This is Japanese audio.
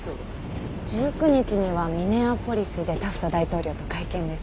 １９日にはミネアポリスでタフト大統領と会見です。